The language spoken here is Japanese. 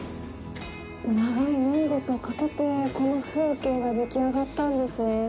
長い年末をかけてこの風景ができ上がったんですね。